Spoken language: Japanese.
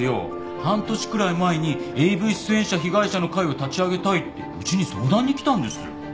半年くらい前にＡＶ出演者被害者の会を立ち上げたいってうちに相談に来たんですよ。